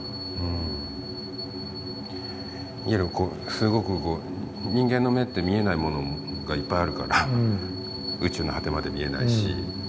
すごくこう人間の目って見えないものがいっぱいあるから宇宙の果てまで見えないし。